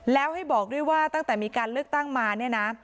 แล้วให้บอกด้วยว่าตั้งแต่มีการเลือกตั้งมาเนี่ยนะ